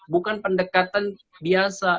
bukan pendekatan biasa